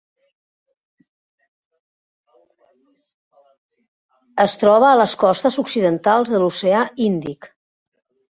Es troba a les costes occidentals de l'Oceà Índic: